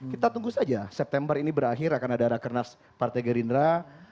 kita tunggu saja september ini berakhir akan ada rakernas partai gerindra